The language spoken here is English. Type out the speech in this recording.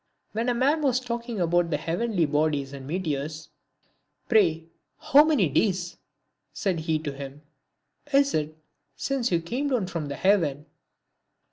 When a man was talking about the heavenly bodies and meteors, " Pray how many days," said he to him, " is it since you came down from heaven